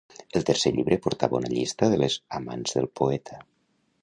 El tercer llibre portava una llista de les amants del poeta.